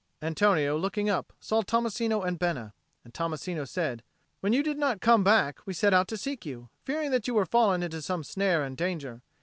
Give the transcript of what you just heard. Antonio, looking up, saw Tommasino and Bena. And Tommasino said, "When you did not come back, we set out to seek you, fearing that you were fallen into some snare and danger.